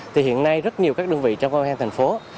thì hiện nay rất nhiều các đơn vị trong công an thành phố